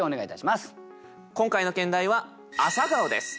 今回の兼題は「朝顔」です。